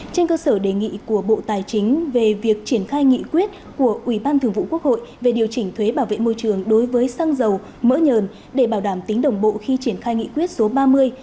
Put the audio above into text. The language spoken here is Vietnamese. trên cơ sở đề nghị của bộ tài chính về việc triển khai nghị quyết của ubthqh về điều chỉnh thuế bảo vệ môi trường đối với xăng dầu mỡ nhờn để bảo đảm tính đồng bộ khi triển khai nghị quyết số ba mươi